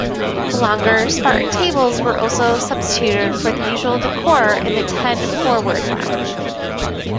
Longer, spartan tables were also substituted for the usual decor in the Ten-Forward lounge.